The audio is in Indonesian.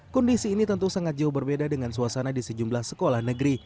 kondisi ini tentu sangat jauh berbeda dengan suasana di sejumlah sekolah negeri